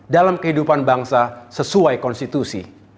dalam kehidupan bangsa sesuai konstitusi